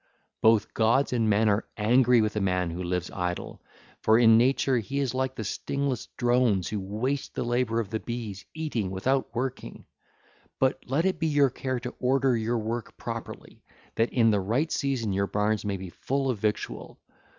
Both gods and men are angry with a man who lives idle, for in nature he is like the stingless drones who waste the labour of the bees, eating without working; but let it be your care to order your work properly, that in the right season your barns may be full of victual.